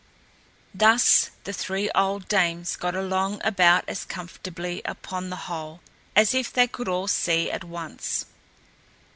Thus the three old dames got along about as comfortably, upon the whole, as if they could all see at once.